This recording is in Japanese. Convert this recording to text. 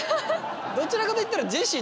どちらかといったらジェシー